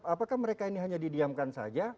apakah mereka ini hanya didiamkan saja